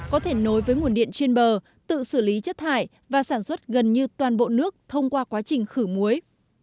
có thể nối với nguồn điện trên bờ tự xử lý chất thải và sản xuất gần như toàn bộ nước thông qua quá trình khử muối